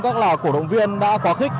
các cổ động viên đã quá khích